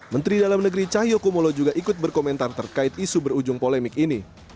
menteri dalam negeri cahyokumolo juga ikut berkomentar terkait isu berujung polemik ini